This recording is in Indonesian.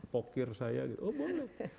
pokir saya oh boleh